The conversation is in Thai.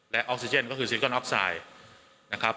และออกซิเจนก็คือซิลิกอนออกไซด์